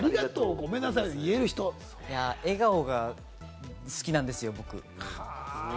笑顔が好きなんですよ、僕。